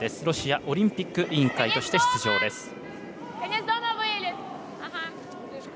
ロシアオリンピック委員会として出場です。